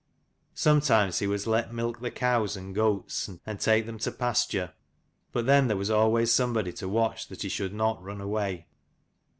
Sometimes he was let milk the cows and goats, and take them to pasture; but then there was always somebody to watch that he should not run away.